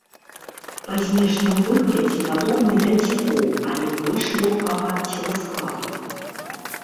Па знешнім выглядзе падобны да дзікоў, але больш лёгкага целаскладу.